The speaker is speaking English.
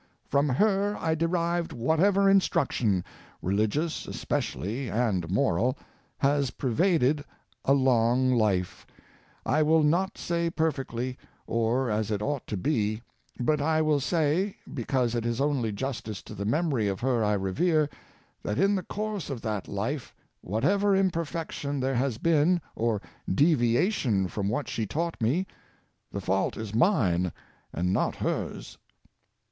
From her I derived whatever instruction (religious es pecially, and moral) has prevaded a long life — I will not say perfectly, or as it ought to be, but I will say, be cause it is only justice to the memory of her I revere, that in the course of that life, whatever imperfection 106 Mother of the Wesleys. there has been, or deviation from what she taught me^ the fault is mine and not hers."